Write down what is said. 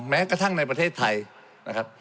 แม้กระทั่งในประเทศไทยนะครับ